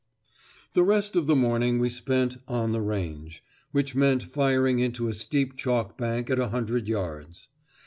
The rest of the morning we spent "on the range," which meant firing into a steep chalk bank at a hundred yards.